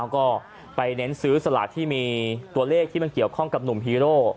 ก็ไปเน้นซื้อสลากที่มีตัวเลขที่มันเกี่ยวข้องกับหนุ่มฮีโร่